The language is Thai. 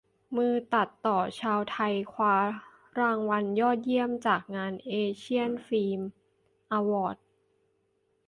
มือตัดต่อชาวไทย คว้ารางวัลยอดเยี่ยมจากงาน "เอเชียน ฟิล์ม อวอร์ดส์"